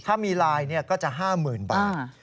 ถ้ามีไลน์ก็จะ๕๐๐๐บาท